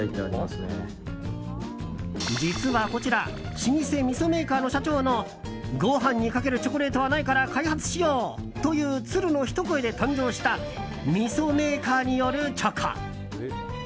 実はこちら老舗みそメーカーの社長のご飯にかけるチョコレートはないから、開発しようという鶴のひと声で誕生したみそメーカーによるチョコ！